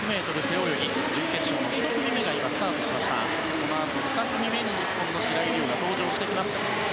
このあと、２組目に日本の白井璃緒が登場してきます。